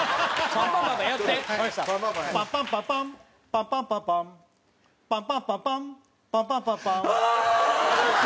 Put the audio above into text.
「パンパンパンパンパンパンパンパン」「パンパンパンパンパンパンパンパン」アアーン！って。